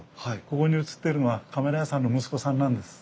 ここに写ってるのはカメラ屋さんの息子さんなんです。